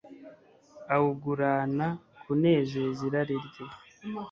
awugurana kunezeza irari rye